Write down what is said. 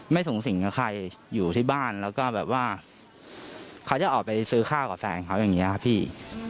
สูงสิงกับใครอยู่ที่บ้านแล้วก็แบบว่าเขาจะออกไปซื้อข้าวกับแฟนเขาอย่างนี้ครับพี่